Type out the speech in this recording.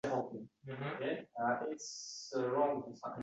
— Buvingning uyi uzoqdami? — deb soʻrabdi Boʻri